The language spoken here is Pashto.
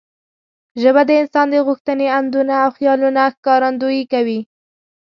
ژبه د انسان د غوښتنې، اندونه او خیالونو ښکارندويي کوي.